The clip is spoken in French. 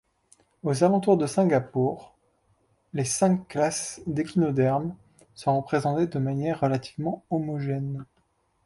Aux alentours de Singapour, les cinq classes d'échinodermes sont représentées de manière relativement homogène.